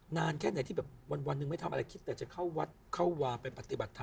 นานแค่ไหนที่แบบวันหนึ่งไม่ทำอะไรคิดแต่จะเข้าวัดเข้าวาไปปฏิบัติธรรม